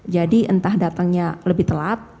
jadi entah datangnya lebih telat